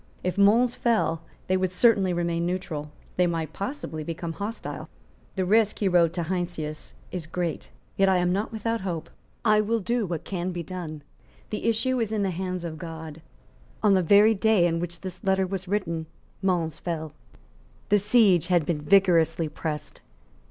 If Mons fell, they would certainly remain neutral; they might possibly become hostile. "The risk," he wrote to Heinsius, "is great; yet I am not without hope. I will do what can be done. The issue is in the hands of God." On the very day on which this letter was written Mons fell. The siege had been vigorously pressed.